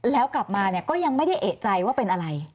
แล้วกลับมาเนี่ยก็ยังไม่ได้เอกใจว่าเป็นอะไร